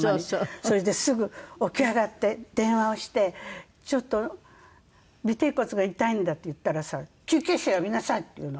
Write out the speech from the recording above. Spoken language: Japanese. それですぐ起き上がって電話をして「ちょっと尾てい骨が痛いんだ」って言ったらさ「救急車呼びなさい！」って言うの。